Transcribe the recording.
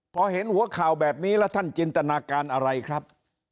พอเห็นหัวข่าวแบบนี้แล้วท่านจินตนาการอะไรครับ